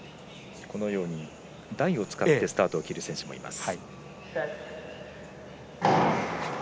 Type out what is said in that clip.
台を使ってスタートを切る選手もいます。